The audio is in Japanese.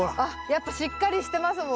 やっぱしっかりしてますもんね。